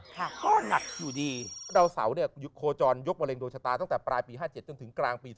ก็หนักอยู่ดีเพราะดาวเสาโคจรยกมาเลงดวงชะตาตั้งแต่ปลายปี๕๗จนถึงกลางปี๒๖๐